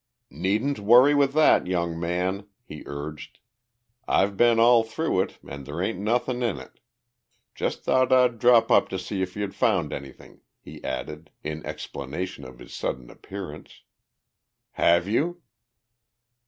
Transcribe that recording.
"Needn't worry with that, young man," he urged. "I've been all through it and there ain't nothin' in it. Just thought I'd drop up to see if you'd found anything," he added, in explanation of his sudden appearance. "Have you?"